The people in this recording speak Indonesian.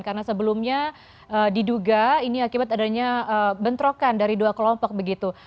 karena sebelumnya diduga ini akibat adanya bentrokan dari dua kelompok begitu